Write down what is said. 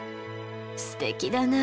すてきだな。